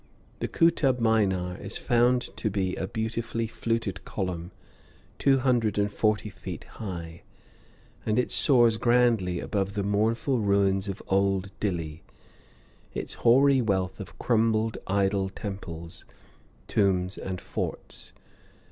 The Kootub Minar is found to be a beautifully fluted column, two hundred and forty feet high, and it soars grandly above the mournful ruins of old Dilli, its hoary wealth of crumbled idol temples, tombs, and forts.